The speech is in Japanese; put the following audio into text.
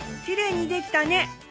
きれいにできたね！